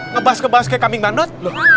ngebahas ngebahas kayak kambing bandut